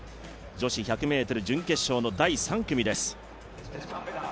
女子１００ｍ準決勝の第３組です。